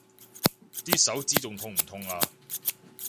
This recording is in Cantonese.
啲手指仲痛唔痛啊？